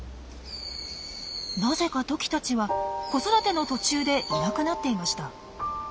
なぜかトキたちは子育ての途中でいなくなっていました。